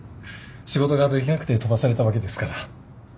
仕事ができなくて飛ばされたわけですから